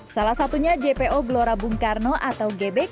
salah satunya jpo gelora bung karno atau gbk